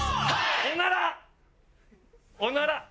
おなら。